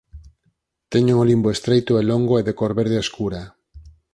Teñen o limbo estreito e longo e de cor verde escura